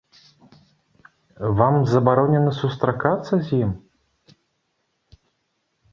Вам забаронена сустракацца з ім?